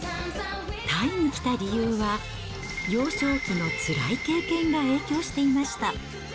タイに来た理由は、幼少期のつらい経験が影響していました。